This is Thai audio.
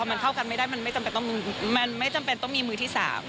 มันเข้ากันไม่ได้มันไม่จำเป็นต้องมีมือที่สาม